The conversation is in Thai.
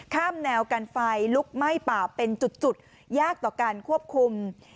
แนวกันไฟลุกไหม้ป่าเป็นจุดยากต่อการควบคุม